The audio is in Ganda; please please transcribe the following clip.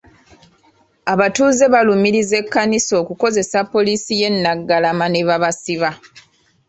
Abatuuze balumiriza Ekkanisa okukozesa poliisi y'e Naggalama ne babasiba.